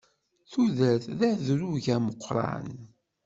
Tudert d adrug ameqqran.